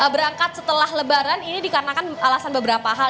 berangkat setelah lebaran ini dikarenakan alasan beberapa hal